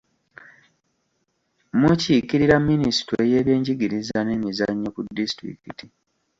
Mukiikirira minisitule y'ebyenjigiriza n'emizannyo ku disitulikiti.